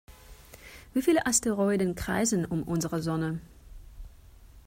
Wie viele Asteroiden kreisen um unsere Sonne?